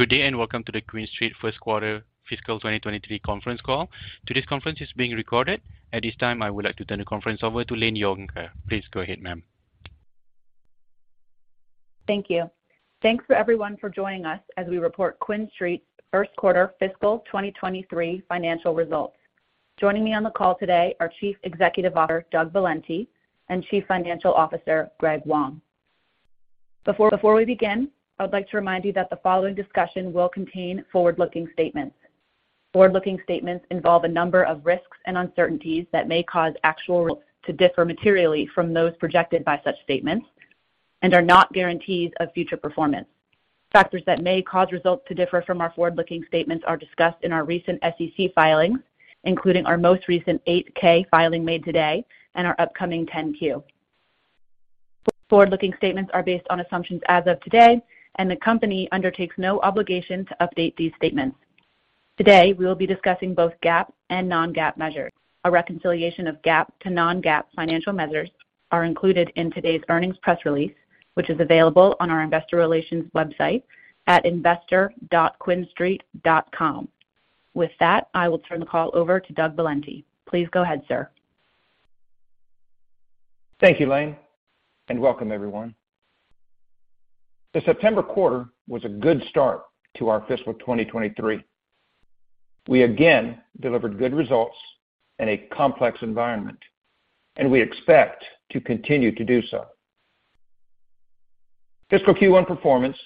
Good day, and welcome to the QuinStreet First Quarter Fiscal 2023 conference call. Today's conference is being recorded. At this time, I would like to turn the conference over to Lane Yonker. Please go ahead, ma'am. Thank you. Thanks to everyone for joining us as we report QuinStreet First Quarter Fiscal 2023 financial results. Joining me on the call today are Chief Executive Officer, Doug Valenti, and Chief Financial Officer, Greg Wong. Before we begin, I would like to remind you that the following discussion will contain forward-looking statements. Forward-looking statements involve a number of risks and uncertainties that may cause actual results to differ materially from those projected by such statements and are not guarantees of future performance. Factors that may cause results to differ from our forward-looking statements are discussed in our recent SEC filings, including our most recent 8-K filing made today and our upcoming 10-Q. Forward-looking statements are based on assumptions as of today, and the company undertakes no obligation to update these statements. Today, we will be discussing both GAAP and non-GAAP measures. A reconciliation of GAAP to non-GAAP financial measures are included in today's earnings press release, which is available on our investor relations website at investor.quinstreet.com. With that, I will turn the call over to Doug Valenti. Please go ahead, sir. Thank you, Lane, and welcome everyone. The September quarter was a good start to our fiscal 2023. We again delivered good results in a complex environment, and we expect to continue to do so. Fiscal Q1 performance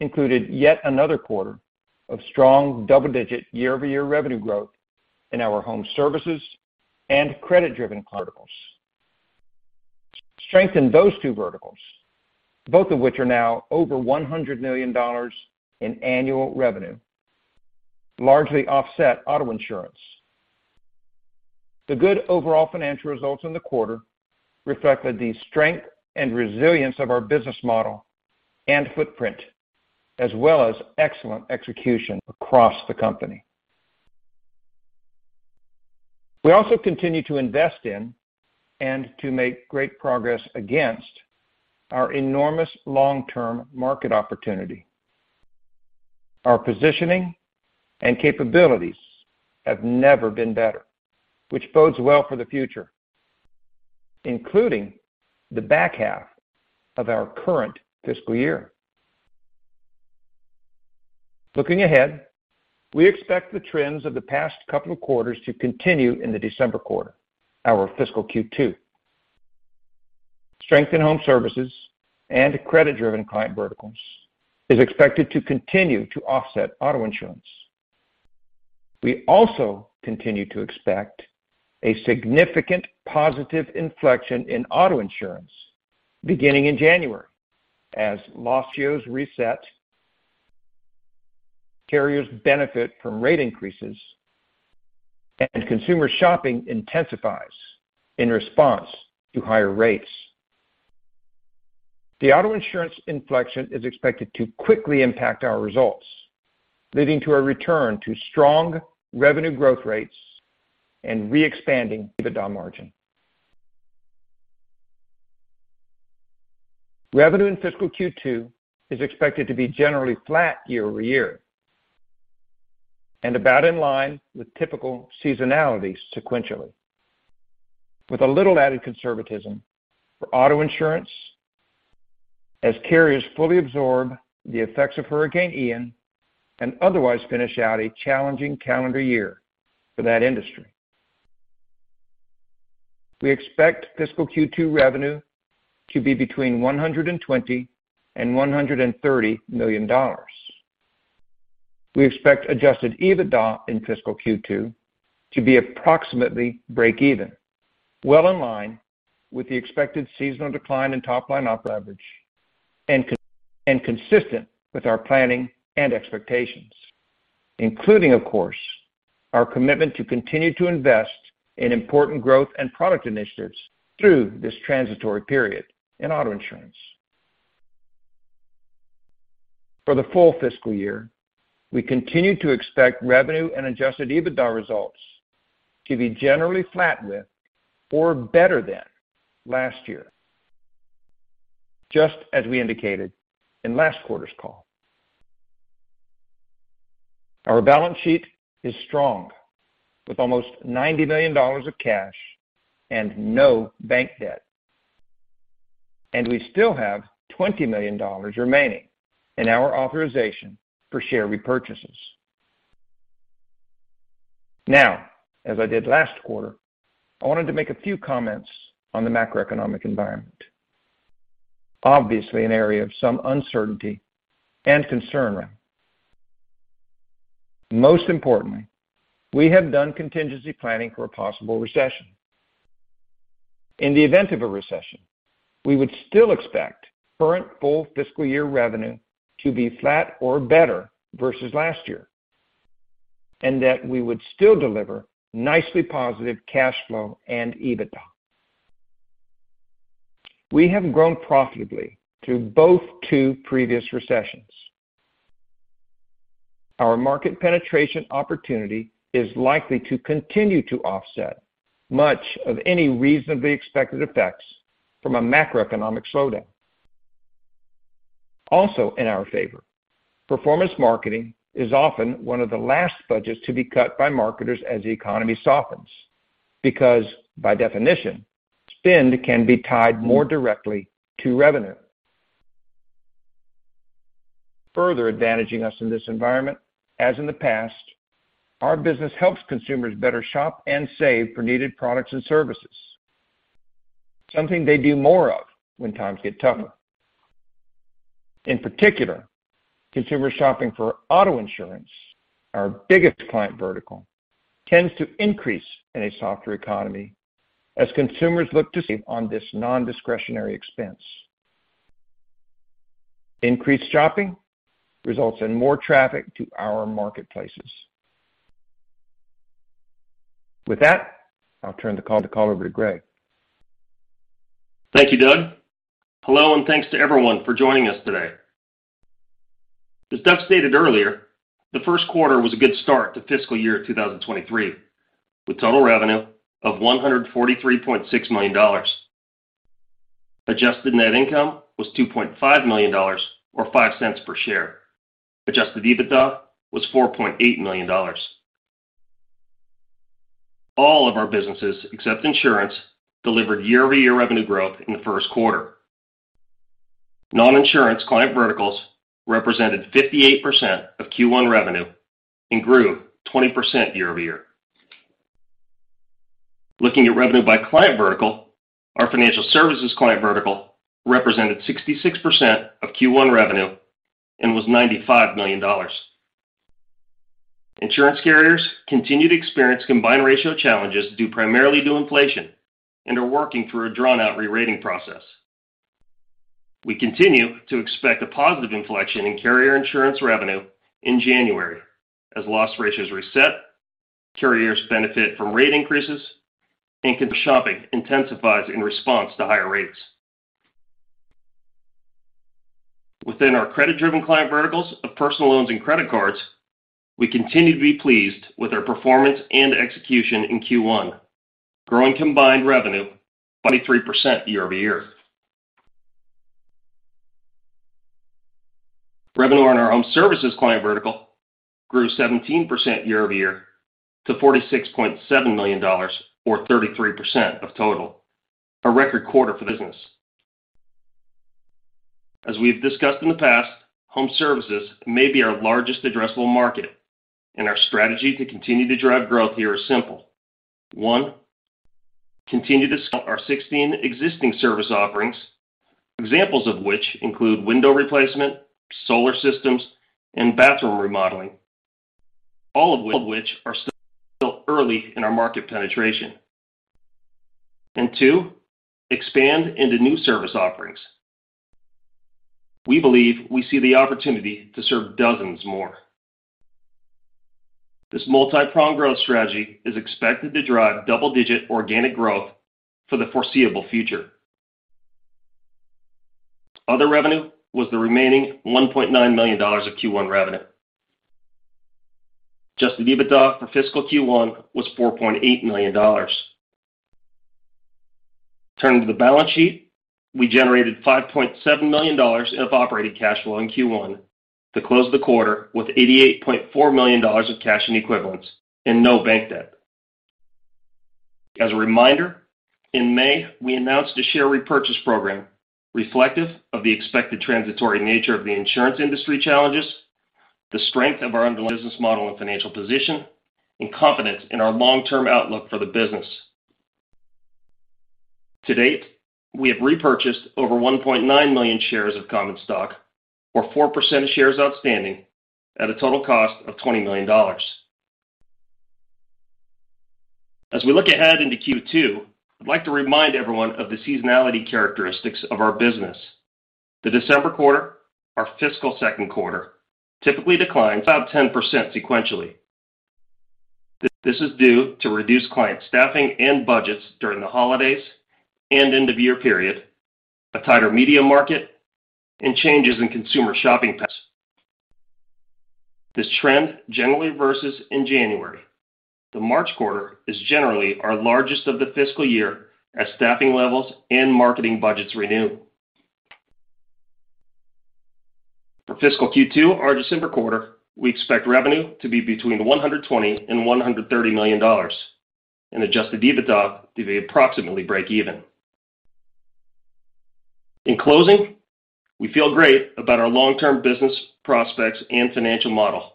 included yet another quarter of strong double-digit year-over-year revenue growth in our home services and credit-driven client verticals. Strength in those two verticals, both of which are now over $100 million in annual revenue, largely offset auto insurance. The good overall financial results in the quarter reflected the strength and resilience of our business model and footprint, as well as excellent execution across the company. We also continue to invest in and to make great progress against our enormous long-term market opportunity. Our positioning and capabilities have never been better, which bodes well for the future, including the back half of our current fiscal year. Looking ahead, we expect the trends of the past couple of quarters to continue in the December quarter, our fiscal Q2. Strength in home services and credit-driven client verticals is expected to continue to offset auto insurance. We also continue to expect a significant positive inflection in auto insurance beginning in January as loss ratios reset, carriers benefit from rate increases, and consumer shopping intensifies in response to higher rates. The auto insurance inflection is expected to quickly impact our results, leading to a return to strong revenue growth rates and re-expanding EBITDA margin. Revenue in fiscal Q2 is expected to be generally flat year-over-year and about in line with typical seasonality sequentially, with a little added conservatism for auto insurance as carriers fully absorb the effects of Hurricane Ian and otherwise finish out a challenging calendar year for that industry. We expect fiscal Q2 revenue to be between $120 million and $130 million. We expect adjusted EBITDA in fiscal Q2 to be approximately breakeven, well in line with the expected seasonal decline in top-line operating revenue and consistent with our planning and expectations, including, of course, our commitment to continue to invest in important growth and product initiatives through this transitory period in auto insurance. For the full fiscal year, we continue to expect revenue and adjusted EBITDA results to be generally flat with or better than last year. Just as we indicated in last quarter's call. Our balance sheet is strong with almost $90 million of cash and no bank debt, and we still have $20 million remaining in our authorization for share repurchases. Now, as I did last quarter, I wanted to make a few comments on the macroeconomic environment. Obviously an area of some uncertainty and concern right now. Most importantly, we have done contingency planning for a possible recession. In the event of a recession, we would still expect current full fiscal year revenue to be flat or better versus last year, and that we would still deliver nicely positive cash flow and EBITDA. We have grown profitably through both two previous recessions. Our market penetration opportunity is likely to continue to offset much of any reasonably expected effects from a macroeconomic slowdown. Also in our favor, performance marketing is often one of the last budgets to be cut by marketers as the economy softens because by definition, spend can be tied more directly to revenue. Further advantaging us in this environment, as in the past, our business helps consumers better shop and save for needed products and services, something they do more of when times get tougher. In particular, consumer shopping for auto insurance, our biggest client vertical, tends to increase in a softer economy as consumers look to save on this non-discretionary expense. Increased shopping results in more traffic to our marketplaces. With that, I'll turn the call over to Greg. Thank you, Doug. Hello, and thanks to everyone for joining us today. As Doug stated earlier, the first quarter was a good start to fiscal year 2023, with total revenue of $143.6 million. Adjusted net income was $2.5 million or $0.05 per share. Adjusted EBITDA was $4.8 million. All of our businesses, except insurance, delivered year-over-year revenue growth in the first quarter. Non-insurance client verticals represented 58% of Q1 revenue and grew 20% year-over-year. Looking at revenue by client vertical, our financial services client vertical represented 66% of Q1 revenue and was $95 million. Insurance carriers continue to experience combined ratio challenges due primarily to inflation and are working through a drawn-out re-rating process. We continue to expect a positive inflection in carrier insurance revenue in January as loss ratios reset, carriers benefit from rate increases, and consumer shopping intensifies in response to higher rates. Within our credit-driven client verticals of personal loans and credit cards, we continue to be pleased with our performance and execution in Q1, growing combined revenue 23% year-over-year. Revenue in our home services client vertical grew 17% year-over-year to $46.7 million or 33% of total, a record quarter for the business. As we've discussed in the past, home services may be our largest addressable market, and our strategy to continue to drive growth here is simple. One, continue to scale our 16 existing service offerings, examples of which include window replacement, solar systems, and bathroom remodeling, all of which are still early in our market penetration. Two, expand into new service offerings. We believe we see the opportunity to serve dozens more. This multipronged growth strategy is expected to drive double-digit organic growth for the foreseeable future. Other revenue was the remaining $1.9 million of Q1 revenue. Adjusted EBITDA for fiscal Q1 was $4.8 million. Turning to the balance sheet, we generated $5.7 million of operating cash flow in Q1 to close the quarter with $88.4 million of cash and equivalents and no bank debt. As a reminder, in May, we announced a share repurchase program reflective of the expected transitory nature of the insurance industry challenges, the strength of our underlying business model and financial position, and confidence in our long-term outlook for the business. To date, we have repurchased over 1.9 million shares of common stock or 4% of shares outstanding at a total cost of $20 million. As we look ahead into Q2, I'd like to remind everyone of the seasonality characteristics of our business. The December quarter, our fiscal second quarter, typically declines about 10% sequentially. This is due to reduced client staffing and budgets during the holidays and end-of-year period, a tighter media market, and changes in consumer shopping patterns. This trend generally reverses in January. The March quarter is generally our largest of the fiscal year as staffing levels and marketing budgets renew. For fiscal Q2, our December quarter, we expect revenue to be between $120 million and $130 million and adjusted EBITDA to be approximately breakeven. In closing, we feel great about our long-term business prospects and financial model.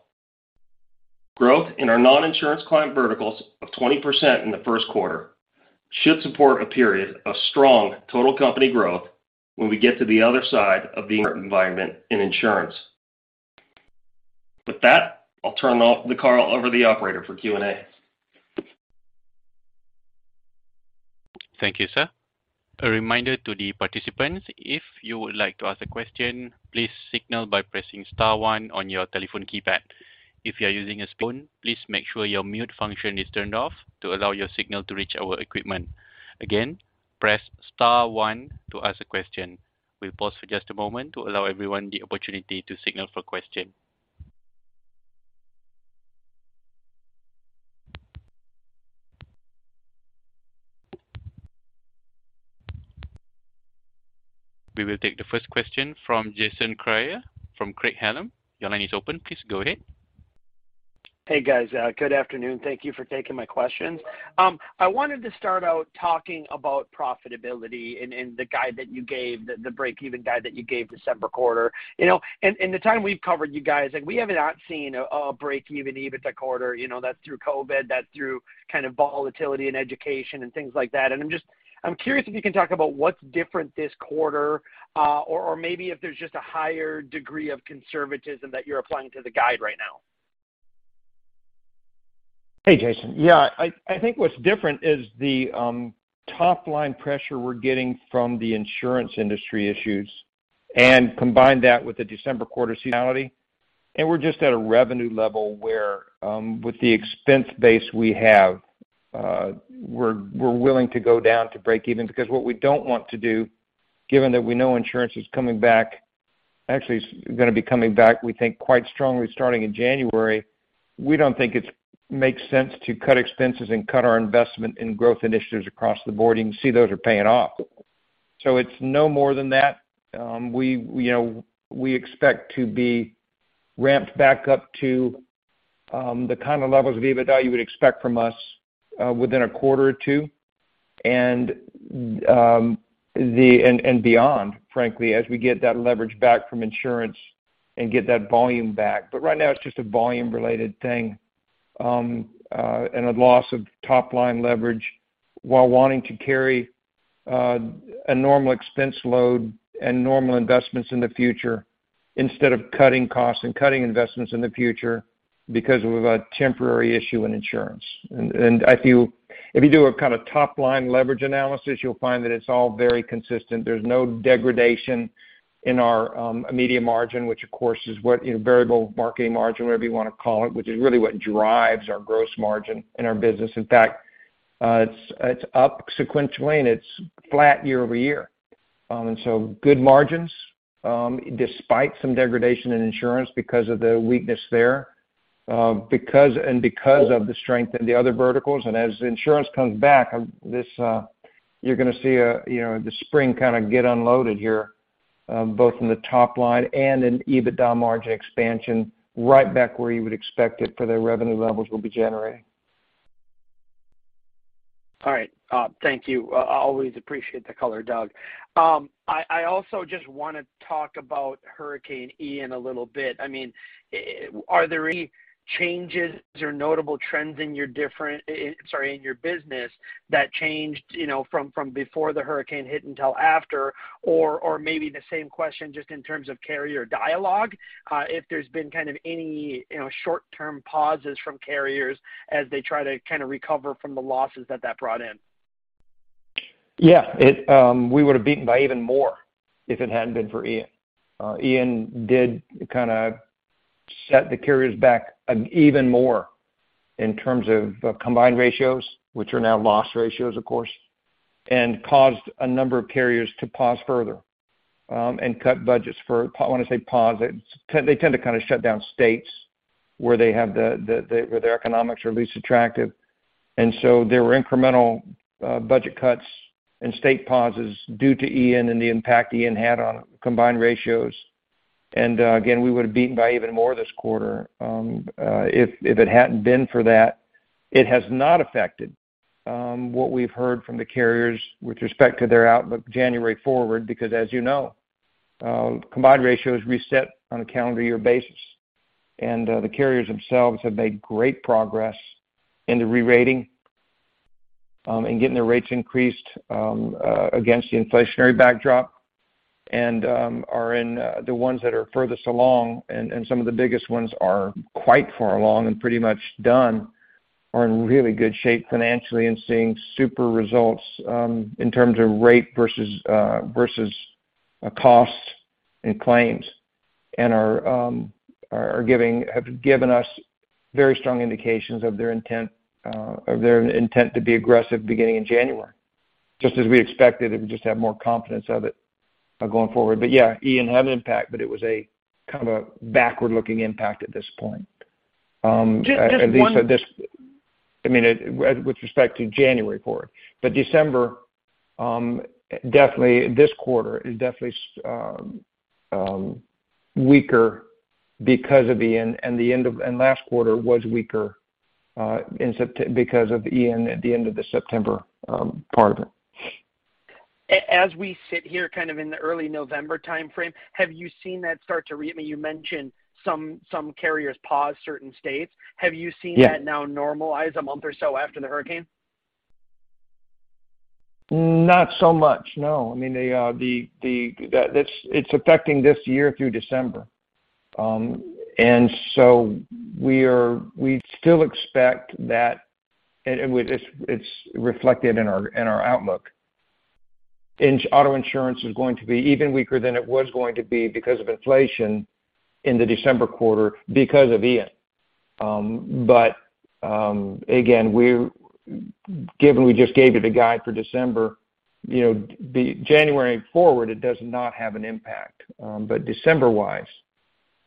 Growth in our non-insurance client verticals of 20% in the first quarter should support a period of strong total company growth when we get to the other side of the environment in insurance. With that, I'll turn the call over to the operator for Q&A. Thank you, sir. A reminder to the participants, if you would like to ask a question, please signal by pressing star one on your telephone keypad. If you are using a speakerphone, please make sure your mute function is turned off to allow your signal to reach our equipment. Again, press star one to ask a question. We'll pause for just a moment to allow everyone the opportunity to signal for question. We will take the first question from Jason Kreyer from Craig-Hallum. Your line is open. Please go ahead. Hey, guys. Good afternoon. Thank you for taking my questions. I wanted to start out talking about profitability and the guide that you gave, the break-even guide that you gave December quarter. You know, in the time we've covered you guys, like, we have not seen a break-even EBITDA quarter, you know, that's through COVID, through kind of volatility in education and things like that. I'm curious if you can talk about what's different this quarter, or maybe if there's just a higher degree of conservatism that you're applying to the guide right now. Hey, Jason. Yeah. I think what's different is the top-line pressure we're getting from the insurance industry issues, and combine that with the December quarter seasonality, and we're just at a revenue level where, with the expense base we have, we're willing to go down to breakeven. Because what we don't want to do, given that we know insurance is coming back, actually is gonna be coming back, we think, quite strongly starting in January, we don't think it makes sense to cut expenses and cut our investment in growth initiatives across the board. You can see those are paying off. So it's no more than that. We, you know, we expect to be ramped back up to the kind of levels of EBITDA you would expect from us, within a quarter or two. Beyond, frankly, as we get that leverage back from insurance and get that volume back. Right now, it's just a volume-related thing, and a loss of top-line leverage while wanting to carry a normal expense load and normal investments in the future instead of cutting costs and cutting investments in the future because of a temporary issue in insurance. If you do a kinda top-line leverage analysis, you'll find that it's all very consistent. There's no degradation in our media margin, which of course is what, you know, variable marketing margin, whatever you wanna call it, which is really what drives our gross margin in our business. In fact, it's up sequentially, and it's flat year over year. Good margins, despite some degradation in insurance because of the weakness there, and because of the strength in the other verticals. As insurance comes back, this, you're gonna see a, you know, the spring kinda get unloaded here, both in the top line and in EBITDA margin expansion right back where you would expect it for the revenue levels we'll be generating. All right. Thank you. I'll always appreciate the color, Doug. I also just wanna talk about Hurricane Ian a little bit. I mean, are there any changes or notable trends in your, sorry, in your business that changed, you know, from before the hurricane hit until after? Or maybe the same question just in terms of carrier dialogue, if there's been kind of any, you know, short-term pauses from carriers as they try to kinda recover from the losses that brought in? We would have beaten by even more if it hadn't been for Ian. Ian did kinda set the carriers back even more in terms of combined ratios, which are now loss ratios, of course, and caused a number of carriers to pause further and cut budgets. When I say pause, they tend to kinda shut down states where they have the where their economics are least attractive. There were incremental budget cuts and state pauses due to Ian and the impact Ian had on combined ratios. Again, we would have beaten by even more this quarter if it hadn't been for that. It has not affected what we've heard from the carriers with respect to their outlook January forward, because as you know, combined ratios reset on a calendar year basis. The carriers themselves have made great progress in the re-rating in getting their rates increased against the inflationary backdrop and the ones that are furthest along, and some of the biggest ones are quite far along and pretty much done, are in really good shape financially and seeing super results in terms of rate versus costs and claims, and have given us very strong indications of their intent to be aggressive beginning in January. Just as we expected, and we just have more confidence of it going forward. Yeah, Ian had an impact, but it was a kind of a backward-looking impact at this point. Just one- At least at this, I mean, with respect to January quarter. December, definitely this quarter is weaker because of Ian and the end of, and last quarter was weaker in September because of Ian at the end of the September part of it. As we sit here kind of in the early November timeframe, have you seen that start to, I mean, you mentioned some carriers pause certain states? Yeah. Have you seen that now normalized a month or so after the hurricane? Not so much, no. I mean, that it's affecting this year through December. We still expect that. It's reflected in our outlook. Auto insurance is going to be even weaker than it was going to be because of inflation in the December quarter because of Ian. Again, given we just gave you the guide for December, you know, the January forward, it does not have an impact. December-wise,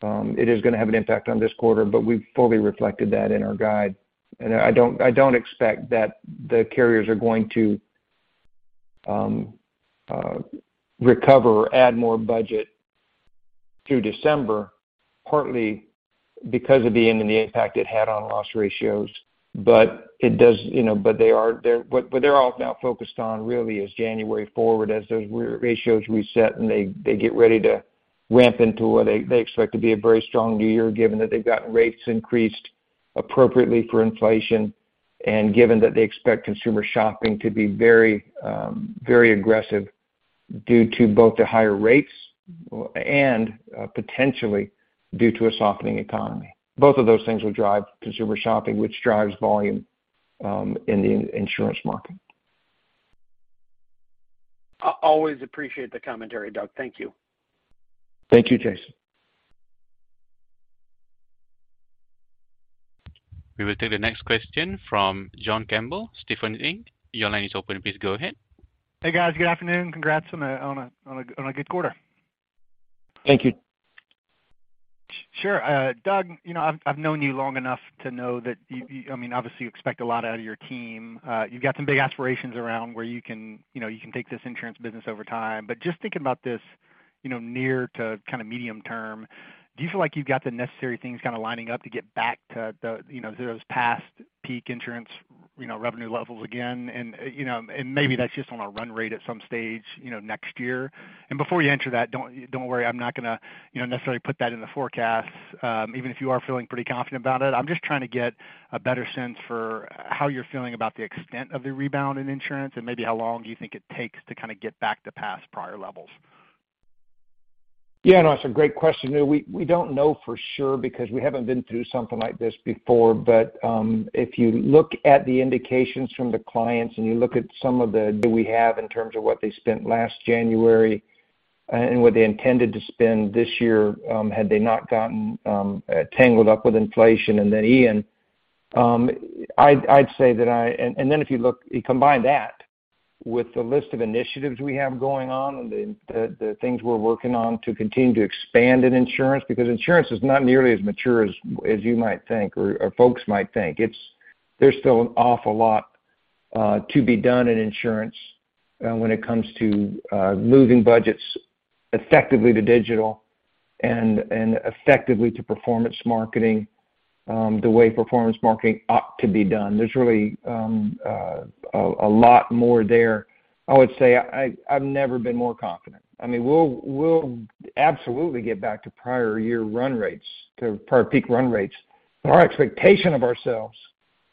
it is gonna have an impact on this quarter, but we've fully reflected that in our guide. I don't expect that the carriers are going to recover or add more budget through December, partly because of Hurricane Ian and the impact it had on loss ratios, but it does, you know, what they're all now focused on really is January forward as those loss ratios reset, and they get ready to ramp into what they expect to be a very strong new year, given that they've gotten rates increased appropriately for inflation and given that they expect consumer shopping to be very, very aggressive due to both the higher rates and potentially due to a softening economy. Both of those things will drive consumer shopping, which drives volume in the insurance market. I always appreciate the commentary, Doug. Thank you. Thank you, Jason. We will take the next question from John Campbell, Stephens Inc. Your line is open. Please go ahead. Hey, guys. Good afternoon. Congrats on a good quarter. Thank you. Sure. Doug, you know, I've known you long enough to know that you... I mean, obviously you expect a lot out of your team. You've got some big aspirations around where you can, you know, you can take this insurance business over time. Just thinking about this, you know, near to kind of medium term, do you feel like you've got the necessary things kind of lining up to get back to the, you know, those past peak insurance, you know, revenue levels again? You know, maybe that's just on a run rate at some stage, you know, next year. Before you enter that, don't worry, I'm not gonna, you know, necessarily put that in the forecast, even if you are feeling pretty confident about it. I'm just trying to get a better sense for how you're feeling about the extent of the rebound in insurance and maybe how long do you think it takes to kind of get back to past prior levels? Yeah, no, it's a great question. You know, we don't know for sure because we haven't been through something like this before. If you look at the indications from the clients and you look at some of the data that we have in terms of what they spent last January, and what they intended to spend this year, had they not gotten tangled up with inflation and then Hurricane Ian, I'd say. You combine that with the list of initiatives we have going on and the things we're working on to continue to expand in insurance, because insurance is not nearly as mature as you might think or folks might think. There's still an awful lot to be done in insurance when it comes to moving budgets effectively to digital and effectively to performance marketing the way performance marketing ought to be done. There's really a lot more there. I would say I've never been more confident. I mean, we'll absolutely get back to prior-year run rates, to prior peak run rates. Our expectation of ourselves,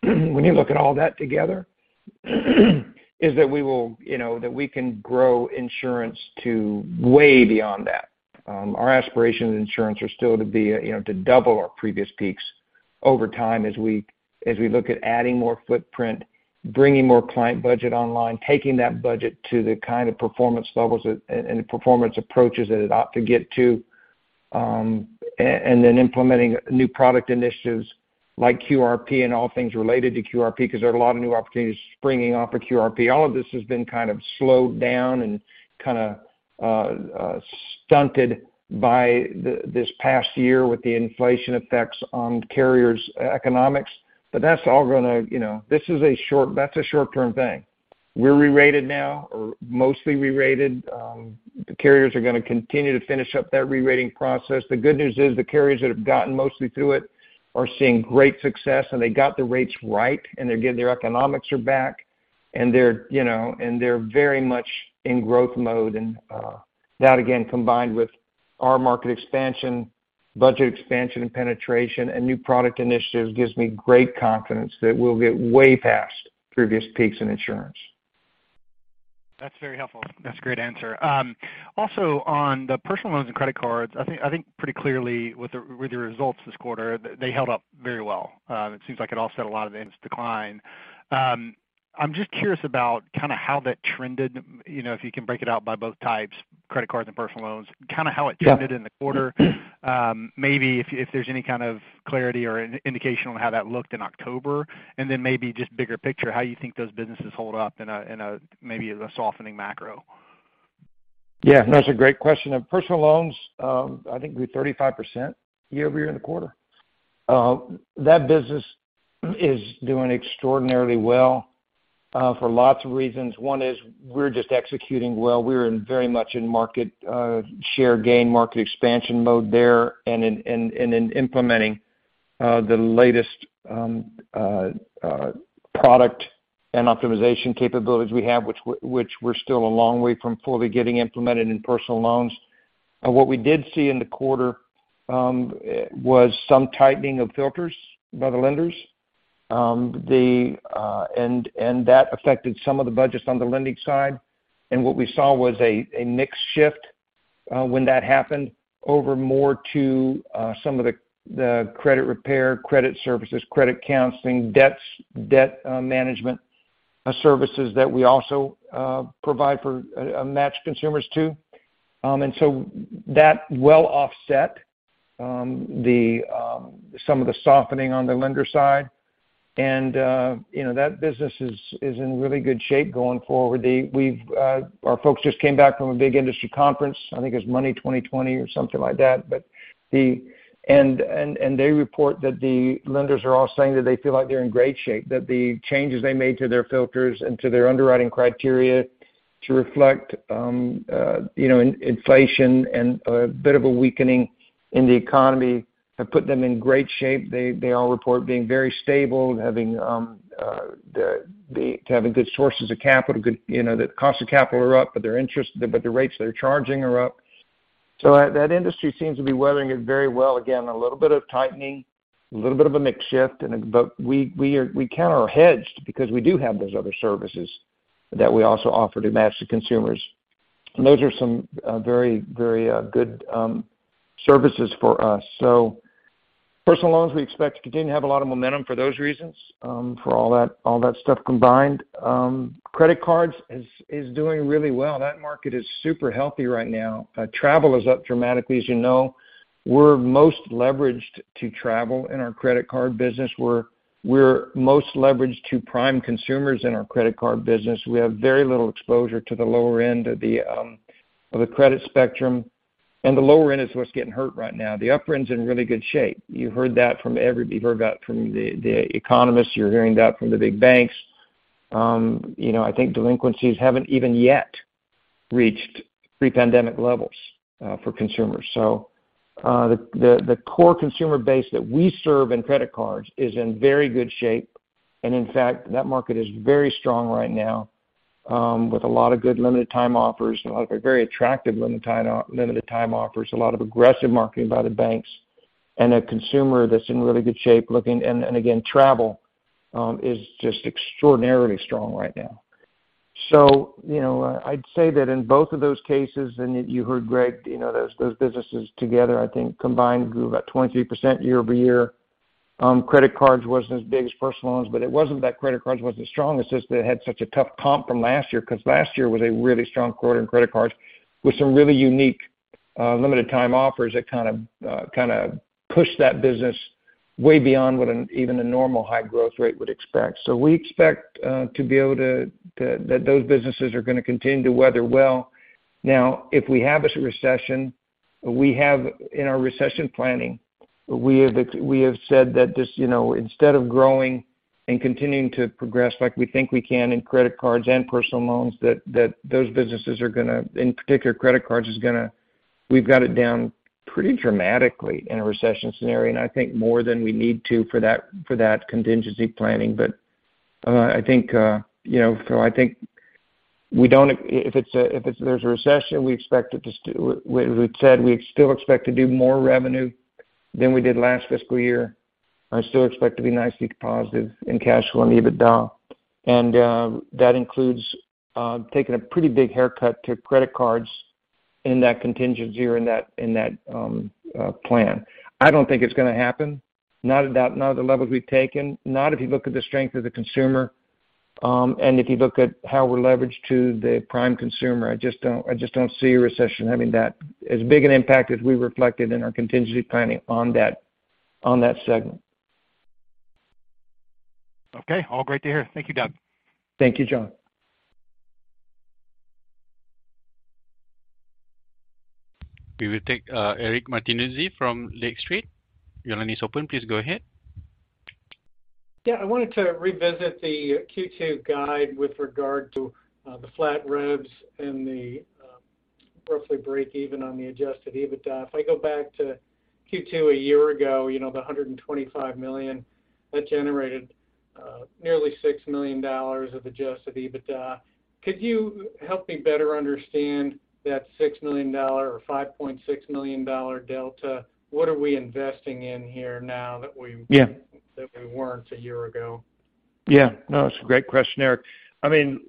when you look at all that together, is that we will, you know, that we can grow insurance to way beyond that. Our aspirations in insurance are still to be, you know, to double our previous peaks over time as we look at adding more footprint, bringing more client budget online, taking that budget to the kind of performance levels and performance approaches that it ought to get to, and then implementing new product initiatives like QRP and all things related to QRP, 'cause there are a lot of new opportunities springing off of QRP. All of this has been kind of slowed down and kinda stunted by this past year with the inflation effects on carriers' economics. That's all gonna, you know. That's a short-term thing. We're re-rated now or mostly re-rated. The carriers are gonna continue to finish up that rerating process. The good news is the carriers that have gotten mostly through it are seeing great success, and they got the rates right, and they're getting their economics are back, and they're, you know, and they're very much in growth mode. That again, combined with our market expansion, budget expansion and penetration and new product initiatives gives me great confidence that we'll get way past previous peaks in insurance. That's very helpful. That's a great answer. Also on the personal loans and credit cards, I think pretty clearly with the results this quarter, they held up very well. It seems like it offset a lot of the insurance decline. I'm just curious about kind of how that trended, you know, if you can break it out by both types, credit cards and personal loans, kind of how it trended in the quarter. Maybe if there's any kind of clarity or an indication on how that looked in October. Maybe just bigger picture, how you think those businesses hold up in a softening macro. Yeah. No, it's a great question. Personal loans, I think we're 35% year-over-year in the quarter. That business is doing extraordinarily well for lots of reasons. One is we're just executing well. We're very much in market share gain, market expansion mode there and in implementing the latest product and optimization capabilities we have, which we're still a long way from fully getting implemented in personal loans. What we did see in the quarter was some tightening of filters by the lenders, and that affected some of the budgets on the lending side. What we saw was a mix shift when that happened over to more some of the credit repair, credit services, credit counseling, debt management services that we also provide to match consumers to. That well offset some of the softening on the lender side. You know, that business is in really good shape going forward. Our folks just came back from a big industry conference, I think it was Money20/20 or something like that. But the They report that the lenders are all saying that they feel like they're in great shape, that the changes they made to their filters and to their underwriting criteria to reflect, you know, inflation and a bit of a weakening in the economy have put them in great shape. They all report being very stable, having good sources of capital. Good, you know, the cost of capital are up, but the rates they're charging are up. That industry seems to be weathering it very well. Again, a little bit of tightening, a little bit of a mix shift. We kind of are hedged because we do have those other services that we also offer to match the consumers. Those are some very good services for us. Personal loans, we expect to continue to have a lot of momentum for those reasons, for all that stuff combined. Credit cards is doing really well. That market is super healthy right now. Travel is up dramatically, as you know. We're most leveraged to travel in our credit card business. We're most leveraged to prime consumers in our credit card business. We have very little exposure to the lower end of the credit spectrum. The lower end is what's getting hurt right now. The upper end's in really good shape. You've heard that from the economists. You're hearing that from the big banks. You know, I think delinquencies haven't even yet reached pre-pandemic levels for consumers. The core consumer base that we serve in credit cards is in very good shape. In fact, that market is very strong right now, with a lot of good limited-time offers, a lot of very attractive limited-time offers, a lot of aggressive marketing by the banks, and a consumer that's in really good shape looking. Again, travel is just extraordinarily strong right now. You know, I'd say that in both of those cases, and you heard Greg, you know, those businesses together, I think, combined grew about 23% year-over-year. Credit cards wasn't as big as personal loans, but it wasn't that credit cards wasn't as strong. It's just that it had such a tough comp from last year, 'cause last year was a really strong quarter in credit cards with some really unique limited-time offers that kind of, kind of pushed that business way beyond what an even a normal high growth rate would expect. So we expect to be able to that those businesses are gonna continue to weather well. Now, if we have this recession, we have in our recession planning, we have said that this, you know, instead of growing and continuing to progress like we think we can in credit cards and personal loans, that those businesses are gonna, in particular credit cards is gonna. We've got it down pretty dramatically in a recession scenario, and I think more than we need to for that contingency planning. I think, you know, so I think if it's a recession, we've said we still expect to do more revenue than we did last fiscal year. I still expect to be nicely positive in cash flow and EBITDA. That includes taking a pretty big haircut to credit cards in that contingency or in that plan. I don't think it's gonna happen. Not at the levels we've taken, not if you look at the strength of the consumer, and if you look at how we're leveraged to the prime consumer. I just don't see a recession having that as big an impact as we reflected in our contingency planning on that segment. Okay. All great to hear. Thank you, Doug. Thank you, John. We will take, Eric Martinuzzi from Lake Street. Your line is open. Please go ahead. Yeah. I wanted to revisit the Q2 guide with regard to the flat revs and the roughly break-even on the adjusted EBITDA. If I go back to Q2 a year ago, you know, the $125 million that generated nearly $6 million of adjusted EBITDA. Could you help me better understand that $6 million or $5.6 million delta? What are we investing in here now that we Yeah that we weren't a year ago? Yeah. No, it's a great question, Eric. I mean,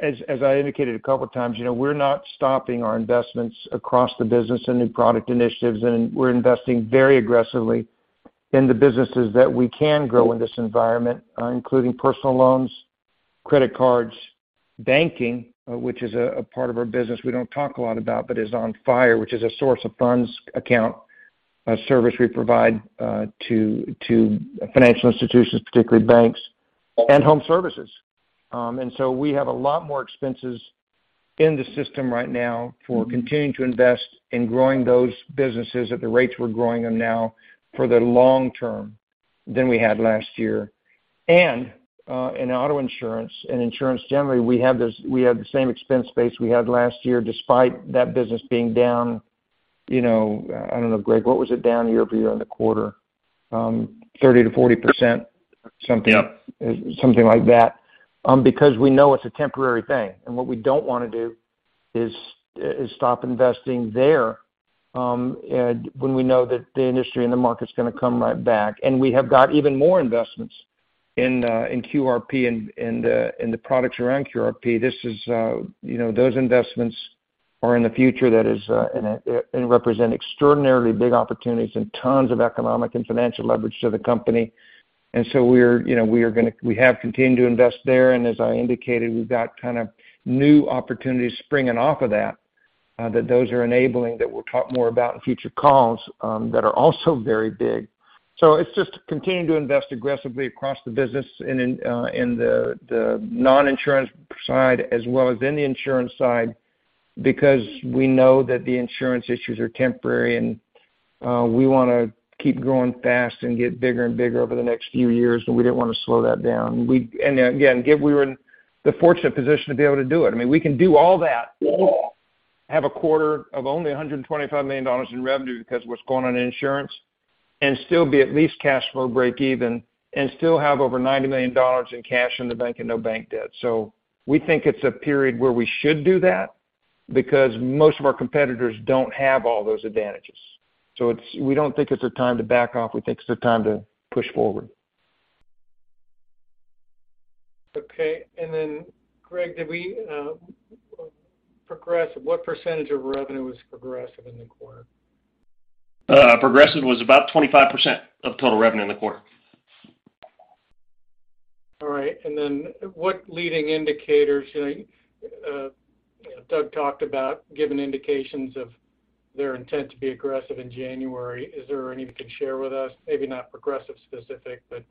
as I indicated a couple of times, you know, we're not stopping our investments across the business and new product initiatives, and we're investing very aggressively in the businesses that we can grow in this environment, including personal loans, credit cards, banking, which is a part of our business we don't talk a lot about but is on fire, which is a source of funds account, a service we provide to financial institutions, particularly banks, and home services. We have a lot more expenses in the system right now for continuing to invest in growing those businesses at the rates we're growing them now for the long term than we had last year. In auto insurance and insurance generally, we have this, we have the same expense base we had last year despite that business being down, you know. I don't know, Greg, what was it down year-over-year on the quarter? 30%-40%, something. Yeah Something like that. Because we know it's a temporary thing. What we don't wanna do is stop investing there, when we know that the industry and the market's gonna come right back. We have got even more investments in QRP and in the products around QRP. You know, those investments are in the future and represent extraordinarily big opportunities and tons of economic and financial leverage to the company. You know, we have continued to invest there. As I indicated, we've got kind of new opportunities springing off of that. Those are enabling that we'll talk more about in future calls, that are also very big. It's just continuing to invest aggressively across the business and in the non-insurance side as well as in the insurance side, because we know that the insurance issues are temporary, and we wanna keep growing fast and get bigger and bigger over the next few years, and we didn't wanna slow that down. Given we were in the fortunate position to be able to do it. I mean, we can do all that, have a quarter of only $125 million in revenue because what's going on in insurance and still be at least cash flow breakeven and still have over $90 million in cash in the bank and no bank debt. We think it's a period where we should do that because most of our competitors don't have all those advantages. We don't think it's a time to back off. We think it's the time to push forward. Okay. Greg, what percentage of revenue was Progressive in the quarter? Progressive was about 25% of total revenue in the quarter. All right. What leading indicators, you know, Doug talked about given indications of their intent to be aggressive in January? Is there any you can share with us? Maybe not Progressive specific, but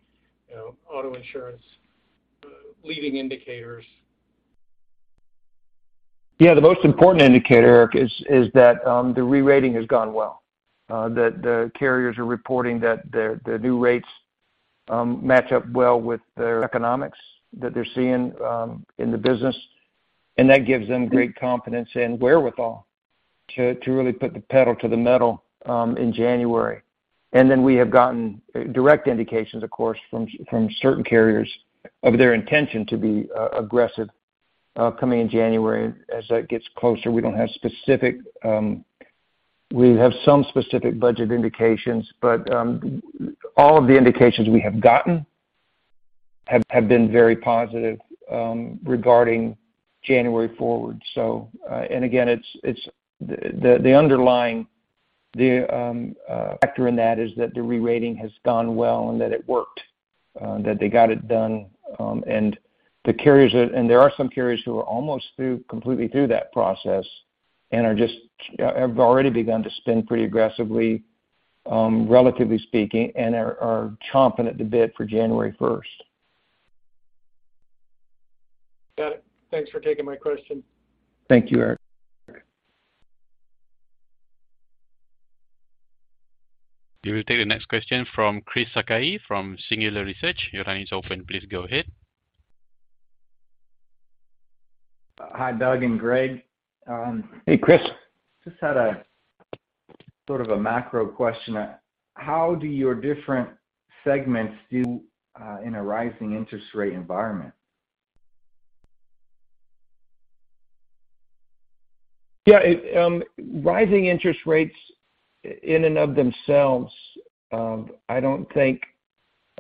you know, auto insurance, leading indicators. Yeah. The most important indicator, Eric, is that the rerating has gone well. The carriers are reporting that their new rates match up well with their economics that they're seeing in the business, and that gives them great confidence and wherewithal to really put the pedal to the metal in January. Then we have gotten direct indications, of course, from certain carriers of their intention to be aggressive coming in January as that gets closer. We don't have specific. We have some specific budget indications, but all of the indications we have gotten have been very positive regarding January forward. Again, it's the underlying factor in that is that the rerating has gone well and that it worked that they got it done. There are some carriers who are almost through, completely through that process and have already begun to spend pretty aggressively, relatively speaking, and are chomping at the bit for January first. Got it. Thanks for taking my question. Thank you, Eric. We will take the next question from Chris Sakai from Singular Research. Your line is open. Please go ahead. Hi, Doug and Greg. Hey, Chris. Just had a sort of a macro question. How do your different segments do in a rising interest rate environment? Yeah, rising interest rates in and of themselves, I don't think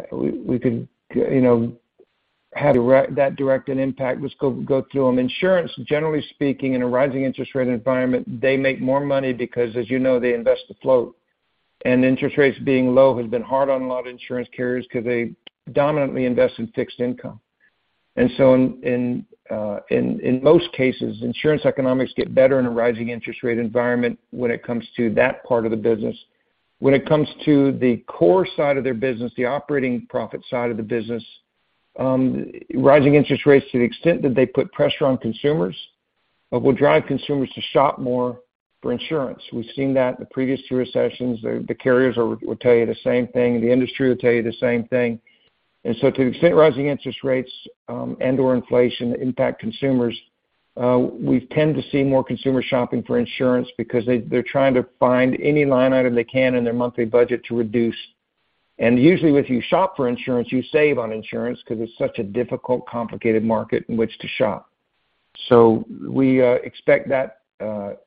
we could, you know, have that direct an impact. Let's go through them. Insurance, generally speaking, in a rising interest rate environment, they make more money because, as you know, they invest the float. Interest rates being low has been hard on a lot of insurance carriers because they dominantly invest in fixed income. In most cases, insurance economics get better in a rising interest rate environment when it comes to that part of the business. When it comes to the core side of their business, the operating profit side of the business, rising interest rates to the extent that they put pressure on consumers will drive consumers to shop more for insurance. We've seen that in the previous two recessions. The carriers will tell you the same thing, the industry will tell you the same thing. To the extent rising interest rates and/or inflation impact consumers, we tend to see more consumer shopping for insurance because they're trying to find any line item they can in their monthly budget to reduce. Usually, if you shop for insurance, you save on insurance because it's such a difficult, complicated market in which to shop. We expect that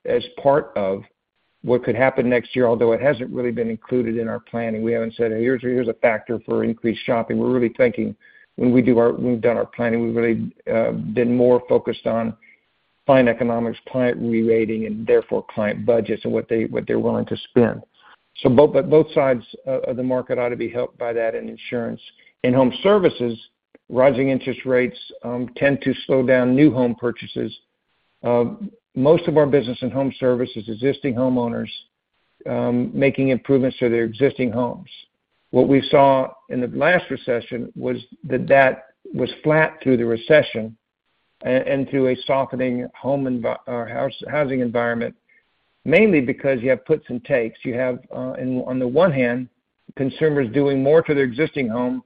as part of what could happen next year, although it hasn't really been included in our planning. We haven't said, "Here's a factor for increased shopping." We're really thinking we've done our planning, we've really been more focused on client economics, client rerating, and therefore client budgets and what they're willing to spend. Both sides of the market ought to be helped by that in insurance. In home services, rising interest rates tend to slow down new home purchases. Most of our business in home service is existing homeowners making improvements to their existing homes. What we saw in the last recession was that that was flat through the recession and through a softening housing environment, mainly because you have puts and takes. You have, on the one hand, consumers doing more to their existing home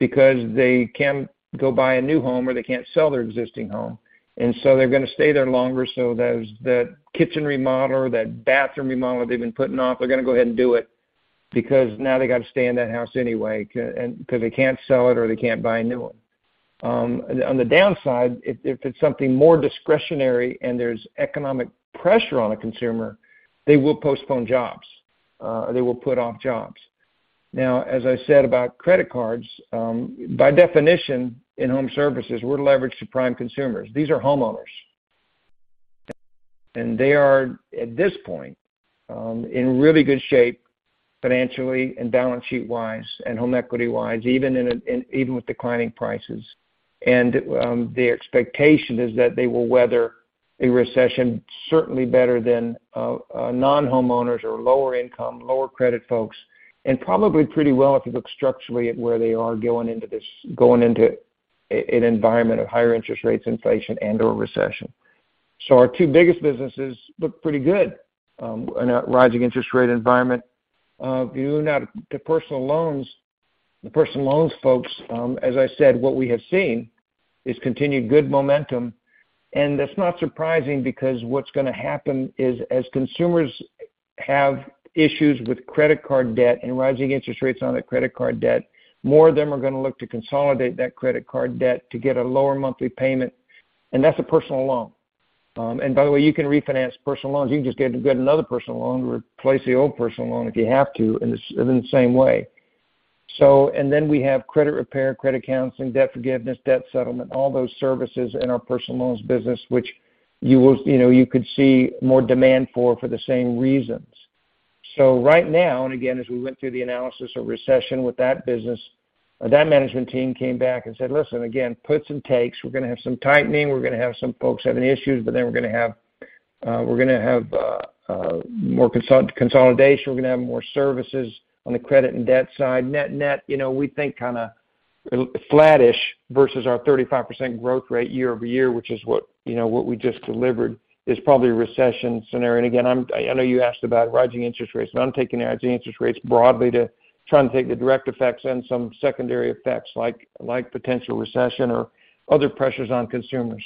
because they can't go buy a new home, or they can't sell their existing home, and so they're gonna stay there longer. That kitchen remodel or that bathroom remodel they've been putting off, they're gonna go ahead and do it because now they gotta stay in that house anyway and 'cause they can't sell it or they can't buy a new one. On the downside, if it's something more discretionary and there's economic pressure on a consumer, they will postpone jobs. They will put off jobs. Now, as I said about credit cards, by definition, in home services, we're leveraged to prime consumers. These are homeowners. They are, at this point, in really good shape financially and balance sheet-wise and home equity-wise, even in a in even with declining prices. The expectation is that they will weather a recession certainly better than non-homeowners or lower income, lower credit folks, and probably pretty well if you look structurally at where they are going into this, going into an environment of higher interest rates, inflation, and/or recession. Our two biggest businesses look pretty good in a rising interest rate environment. Turning now to personal loans. The personal loans folks, as I said, what we have seen is continued good momentum. That's not surprising because what's gonna happen is as consumers have issues with credit card debt and rising interest rates on their credit card debt, more of them are gonna look to consolidate that credit card debt to get a lower monthly payment, and that's a personal loan. By the way, you can refinance personal loans. You can just get another personal loan to replace the old personal loan if you have to in the same way. Then we have credit repair, credit counseling, debt forgiveness, debt settlement, all those services in our personal loans business, which you will, you know, you could see more demand for the same reasons. Right now, and again, as we went through the analysis of recession with that business, that management team came back and said, listen, again, puts and takes. We're gonna have some tightening. We're gonna have some folks having issues, but then we're gonna have more consolidation. We're gonna have more services on the credit and debt side. Net, net, you know, we think kinda low-flattish versus our 35% growth rate year-over-year, which is what, you know, what we just delivered, is probably a recession scenario. I know you asked about rising interest rates, but I'm taking the rising interest rates broadly to try and take the direct effects and some secondary effects like potential recession or other pressures on consumers.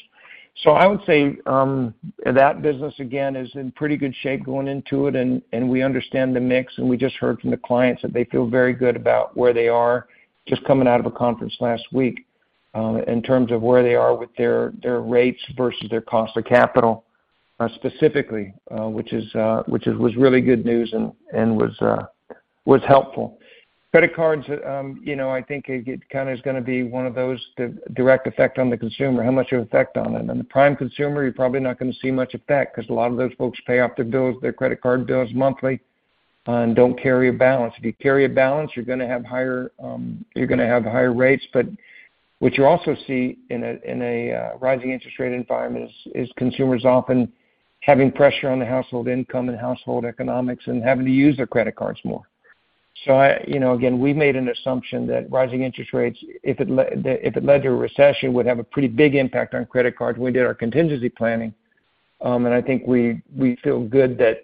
I would say that business again is in pretty good shape going into it, and we understand the mix, and we just heard from the clients that they feel very good about where they are, just coming out of a conference last week, in terms of where they are with their rates versus their cost of capital, specifically, which was really good news and was helpful. Credit cards, you know, I think it kinda is gonna be one of those, the direct effect on the consumer. How much of an effect on it? On the prime consumer, you're probably not gonna see much effect because a lot of those folks pay off their bills, their credit card bills monthly, and don't carry a balance. If you carry a balance, you're gonna have higher rates. What you also see in a rising interest rate environment is consumers often having pressure on the household income and household economics and having to use their credit cards more. You know, again, we made an assumption that rising interest rates, if it led to a recession, would have a pretty big impact on credit cards. We did our contingency planning, and I think we feel good that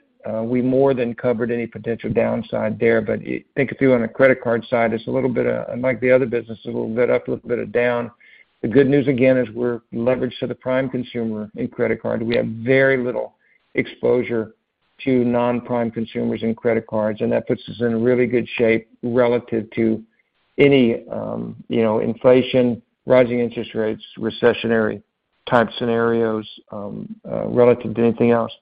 we more than covered any potential downside there. I think if you're on the credit card side, it's a little bit unlike the other business, it's a little bit up, a little bit down. The good news, again, is we're leveraged to the prime consumer in credit card. We have very little exposure to non-prime consumers in credit cards, and that puts us in really good shape relative to any, you know, inflation, rising interest rates, recessionary-type scenarios, relative to anything else.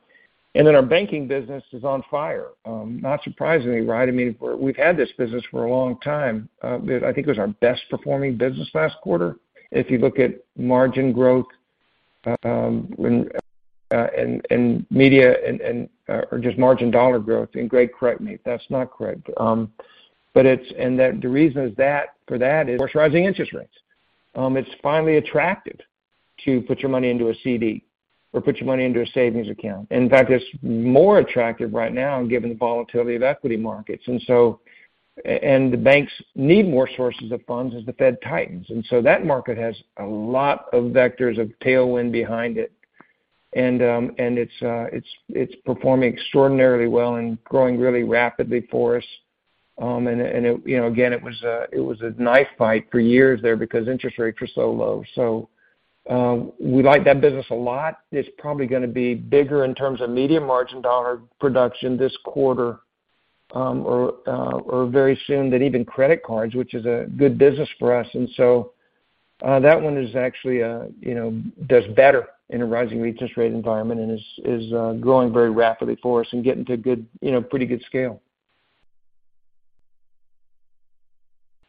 Our banking business is on fire, not surprisingly, right? I mean, we've had this business for a long time. I think it was our best-performing business last quarter. If you look at margin growth in media and or just margin dollar growth, and Greg, correct me if that's not correct. But the reason for that is rising interest rates. It's finally attractive to put your money into a CD or put your money into a savings account. In fact, it's more attractive right now given the volatility of equity markets. The banks need more sources of funds as the Fed tightens. That market has a lot of vectors of tailwind behind it. It's performing extraordinarily well and growing really rapidly for us. You know, again, it was a knife fight for years there because interest rates were so low. We like that business a lot. It's probably gonna be bigger in terms of media margin dollar production this quarter, or very soon than even credit cards, which is a good business for us. That one is actually, you know, does better in a rising interest rate environment and is growing very rapidly for us and getting to good, you know, pretty good scale.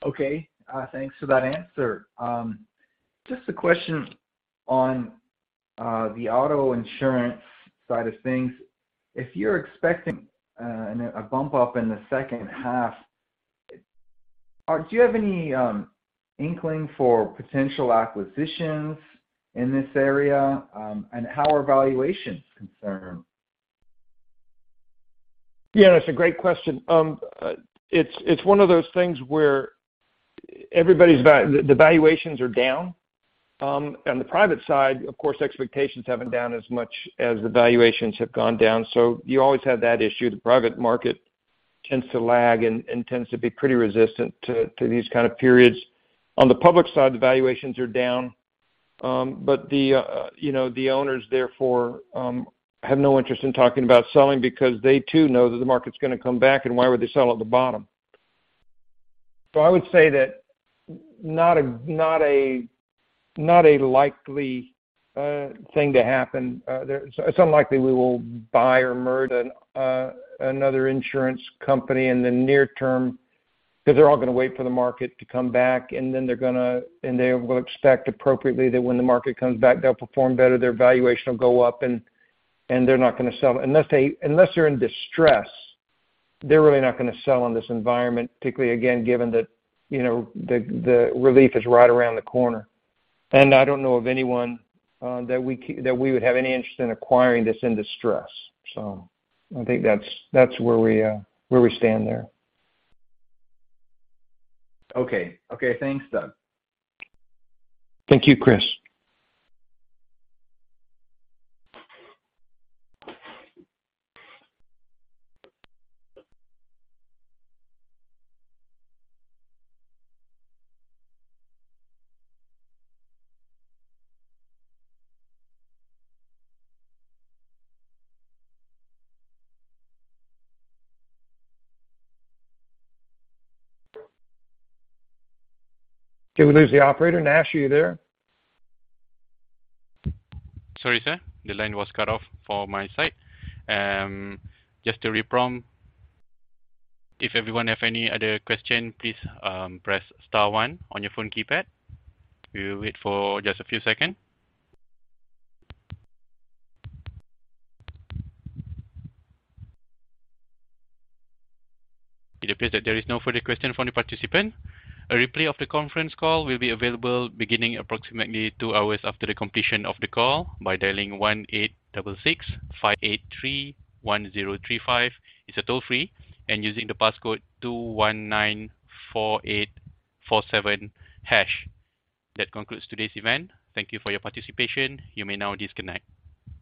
Okay. Thanks for that answer. Just a question on the auto insurance side of things. If you're expecting a bump up in the second half, do you have any inkling for potential acquisitions in this area? How are valuations concerned? Yeah, that's a great question. It's one of those things where everybody's valuations are down. On the private side, of course, expectations haven't gone down as much as the valuations have gone down. You always have that issue. The private market tends to lag and tends to be pretty resistant to these kind of periods. On the public side, the valuations are down. You know, the owners therefore have no interest in talking about selling because they too know that the market's gonna come back and why would they sell at the bottom? I would say that not a likely thing to happen. It's unlikely we will buy or merge another insurance company in the near term because they're all gonna wait for the market to come back, and then they will expect appropriately that when the market comes back, they'll perform better, their valuation will go up, and they're not gonna sell. Unless they're in distress, they're really not gonna sell in this environment, particularly again, given that, you know, the relief is right around the corner. I don't know of anyone that we would have any interest in acquiring that's in distress. I think that's where we stand there. Okay. Okay, thanks, Doug. Thank you, Chris. Did we lose the operator? Nash, are you there? Sorry, sir. The line was cut off for my side. Just a re-prompt. If everyone have any other question, please, press star one on your phone keypad. We'll wait for just a few second. It appears that there is no further question from the participant. A replay of the conference call will be available beginning approximately two hours after the completion of the call by dialing 1-866-583-1035. It's toll-free. Using the passcode 2194847#. That concludes today's event. Thank you for your participation. You may now disconnect.